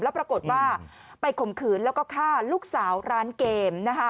แล้วปรากฏว่าไปข่มขืนแล้วก็ฆ่าลูกสาวร้านเกม